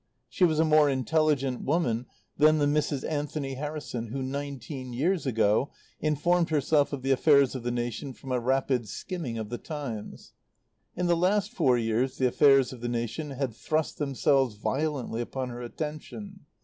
She was a more intelligent woman than the Mrs. Anthony Harrison who, nineteen years ago, informed herself of the affairs of the nation from a rapid skimming of the Times. In the last four years the affairs of the nation had thrust themselves violently upon her attention.